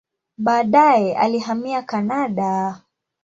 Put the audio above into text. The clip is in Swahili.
Baadaye alihamia Kanada.